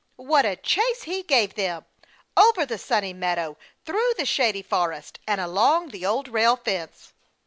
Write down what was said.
What a chase he gave them! Over the Sunny Meadow, through the Shady Forest, and along the Old Rail Fence!